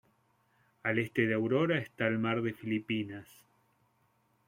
Al este de Aurora está el mar de Filipinas.